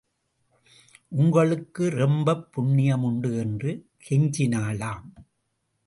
உங்களுக்கு ரொம்பப் புண்ணியம் உண்டு என்று கெஞ்சினாளாம்.